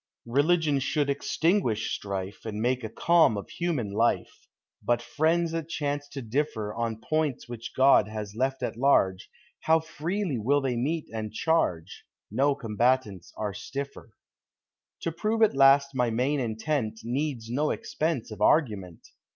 Religion should extinguish strife. And make a calm of human life; Rut friends that chance to differ On points which God has left at large. How freely will they meet and charge! No combatants are stiffer. 400 POEUti OF FKIEXDSH IP. To prove at last my main intent Needs no expense of argument.